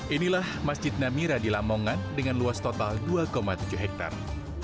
inilah masjid namira di lamongan dengan luas total dua tujuh hektare